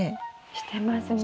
してますねえ。